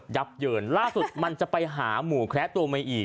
ับเยินล่าสุดมันจะไปหาหมูแคระตัวใหม่อีก